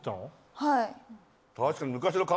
はい。